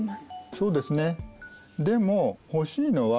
そうですね。